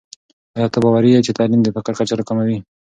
آیا ته باوري یې چې تعلیم د فقر کچه راکموي؟